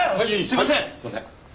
すいません！